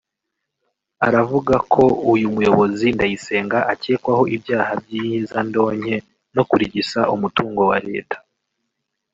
aravuga ko uyu muyobozi Ndayisenga akekwaho ibyaha by’iyezandonke no kurigisa umutungo wa Leta